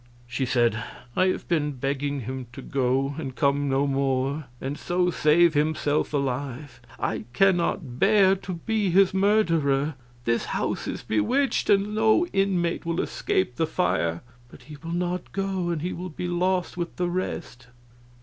She said: "I have been begging him to go, and come no more, and so save himself alive. I cannot bear to be his murderer. This house is bewitched, and no inmate will escape the fire. But he will not go, and he will be lost with the rest."